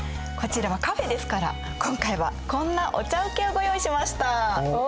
こちらはカフェですから今回はこんなお茶うけをご用意しました。